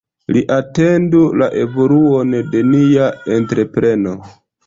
Ni atendu la evoluon de nia entrepreno.